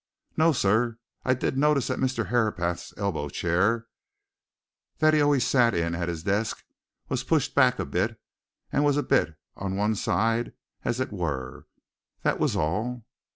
"No, sir. I did notice that Mr. Herapath's elbow chair, that he always sat in at his desk, was pushed back a bit, and was a bit on one side as it were. That was all."